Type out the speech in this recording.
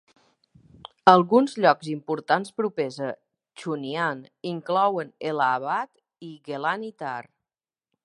Alguns llocs importants propers a Chunian inclouen Ellah Abad i Gehlan Hithar.